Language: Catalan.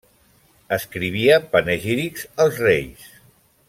Escrivia panegírics als reis.